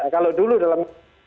kalau dulu dalam